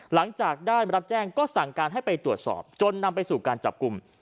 หลังจากได้รับแจ้งก็สั่งการให้ไปตรวจสอบจนนำไปสู่การจับกลุ่ม